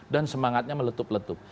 dan semangatnya meletup letup